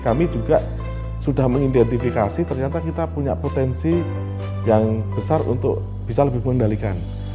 kami juga sudah mengidentifikasi ternyata kita punya potensi yang besar untuk bisa lebih mengendalikan